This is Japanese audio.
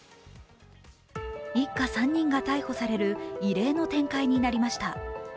一家３人が逮捕される異例の展開になりました。